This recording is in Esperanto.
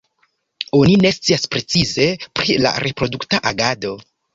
Oni ne scias precize pri la reprodukta agado.